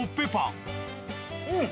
うん！